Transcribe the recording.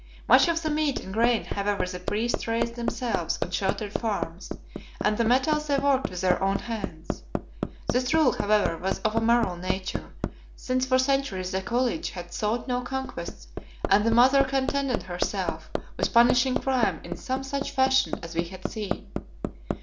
Much of the meat and grain however the priests raised themselves on sheltered farms, and the metals they worked with their own hands. This rule, however, was of a moral nature, since for centuries the College had sought no conquests and the Mother contented herself with punishing crime in some such fashion as we had seen.